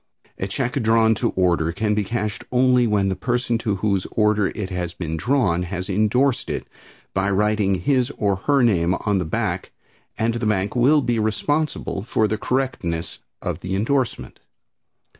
A check drawn to order can be cashed only when the person to whose order it has been drawn has indorsed it by writing his or her name on the back and the bank will be responsible for the correctness of the indorsement.